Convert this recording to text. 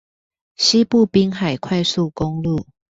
西部濱海快速公路